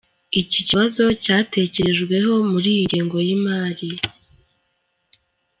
Iki kibazo cyatekerejweho muri iyi ngengo y’imari.